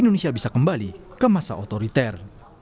indonesia bisa kembali ke masa otoriter